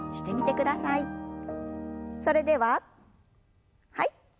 それでははい。